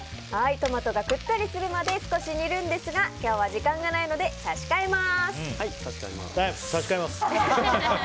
トマトがくったりするまで少し煮るんですが今日は時間がないので差し替えます。